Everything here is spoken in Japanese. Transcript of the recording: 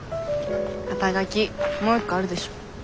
肩書もう一個あるでしょ。